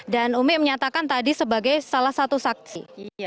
dan umi menyatakan tadi sebagai salah satu saksi